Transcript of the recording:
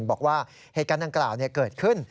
บอกว่าเหตุการณ์ดังกล่าวเกิดขึ้น